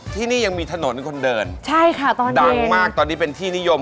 ที่นี่ยังมีถนนคนเดิน